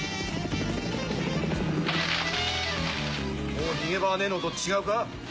もう逃げ場はねえのと違うか？